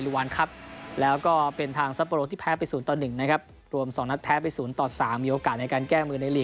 วันที่๕สิงหาคมนี้